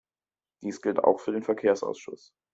Dies gilt auch für den Verkehrsausschuss.